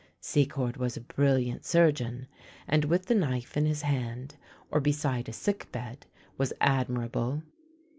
Secord was a brilliant surgeon, and with the knife in his hand, or beside a sick bed, was admirable.